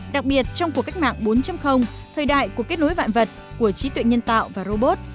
đặc biệt trong cuộc cách mạng bốn thời đại của kết nối vạn vật của trí tuệ nhân tạo và robot